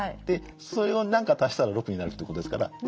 でそれを何か足したら６になるってことですから。